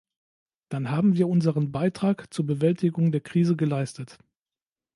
Dann haben wir unseren Beitrag zur Bewältigung der Krise geleistet.